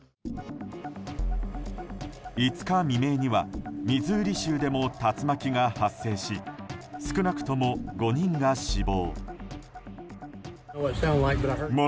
５日未明にはミズーリ州でも竜巻が発生し少なくとも５人が死亡。